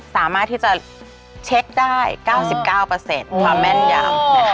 สามารถที่จะเช็คได้๙๙ความแม่นยำ